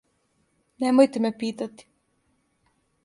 Немојте ме питати.